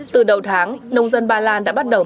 từ đầu tháng nông dân ba lan đã bắt đầu một loạt thỏa thuận